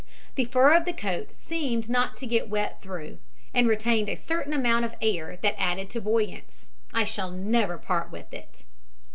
The fur of the coat seemed not to get wet through, and retained a certain amount of air that added to buoyance. I shall never part with it.